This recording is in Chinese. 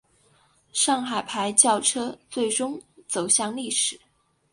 上海牌轿车最终走向历史。